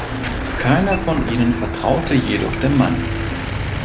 Keiner von ihnen vertraute jedoch dem Mann.